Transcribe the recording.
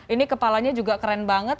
ini kepalanya juga keren banget